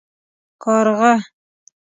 🐦⬛ کارغه